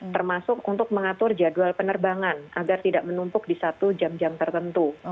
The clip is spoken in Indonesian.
termasuk untuk mengatur jadwal penerbangan agar tidak menumpuk di satu jam jam tertentu